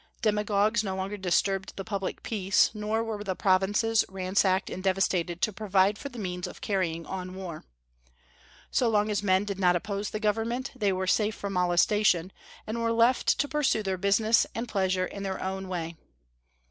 Demagogues no longer disturbed the public peace, nor were the provinces ransacked and devastated to provide for the means of carrying on war. So long as men did not oppose the government they were safe from molestation, and were left to pursue their business and pleasure in their own way.